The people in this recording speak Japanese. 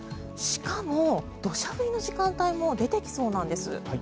しかも土砂降りの時間帯も出てきそうなんです。